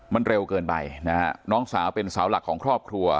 มันเร็วเกินไปนะฮะน้องสาวเป็นสาวหลักของครอบครัว